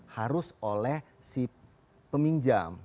harus oleh si peminjam